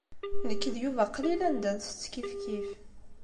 Nekk d Yuba qlil anda nsett kifkif.